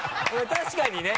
確かにね！